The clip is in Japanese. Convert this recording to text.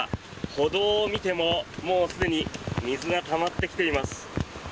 歩道を見ても、もうすでに水がたまってきています。